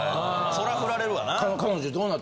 そら振られるわな。